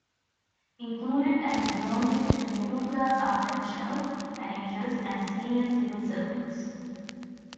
Included as belonging to the middle class are professionals, managers, and senior civil servants.